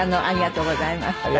ありがとうございます。